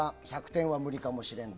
１００点は無理かもしれん。